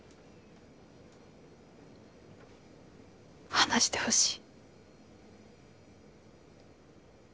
話してほしい。